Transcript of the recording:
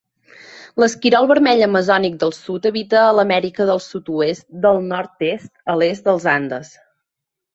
L'esquirol vermell amazònic del sud habita a l'Amèrica del Sud-oest del nord-est a l'est dels Andes.